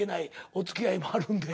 おつきあいもあるんで。